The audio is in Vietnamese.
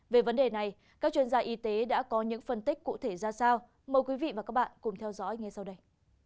về vấn đề này các chuyên gia y tế đã có những phân tích cụ thể ra sao mời quý vị và các bạn cùng theo dõi ngay sau đây